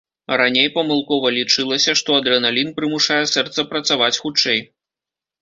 Раней памылкова лічылася, што адрэналін прымушае сэрца працаваць хутчэй.